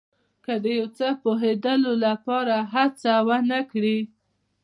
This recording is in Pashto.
که د یو څه پوهېدلو لپاره هڅه ونه کړئ.